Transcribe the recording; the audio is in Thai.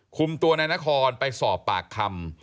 คุมตัวนายนครไปสอบปากคำ